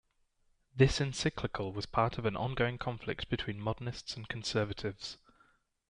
This encyclical was part of an ongoing conflict between Modernists and conservatives.